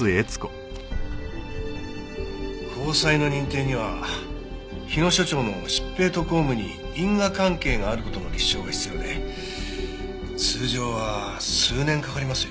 公災の認定には日野所長の疾病と公務に因果関係がある事の立証が必要で通常は数年かかりますよ。